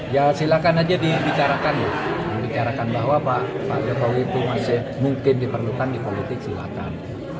ya silakan aja dibicarakan dibicarakan bahwa pak jokowi itu masih mungkin diperlukan di politik silakan